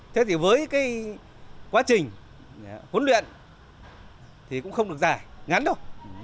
thế thì với cái quá trình huấn luyện thì cũng không được dài ngắn đâu